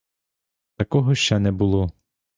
Такого ще не було.